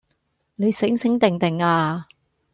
你醒醒定定呀